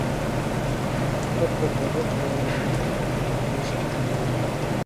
حقیقت د درک په رڼا روښانه کېږي.